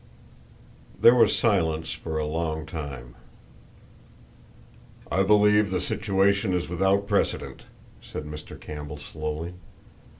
There was silence for a long time. "I believe the situation is without precedent," said Mr. Campbell slowly.